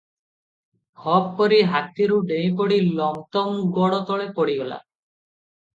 ଖପ୍ କରି ହାତୀରୁ ଡେଇଁପଡି ଲମ୍ ତମ୍ ଗୋଡ଼ତଳେ ପଡିଗଲା ।